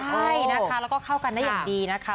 ใช่นะคะแล้วก็เข้ากันได้อย่างดีนะคะ